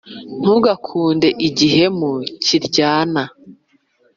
ntugakunde igihemu kiryana